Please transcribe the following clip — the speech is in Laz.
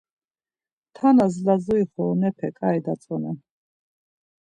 Tanas Lazuri xoronepe ǩai datzonen.